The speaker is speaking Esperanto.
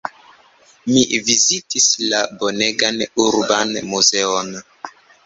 Mi vizitis la bonegan urban muzeon.